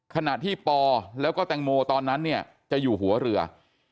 ขณะที่ปอแล้วก็แตงโมตอนนั้นเนี่ยจะอยู่หัวเรือ